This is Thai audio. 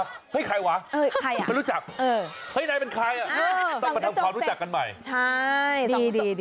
ใส่พัดทั้งความรู้จักกันใหม่ใช่ดีดี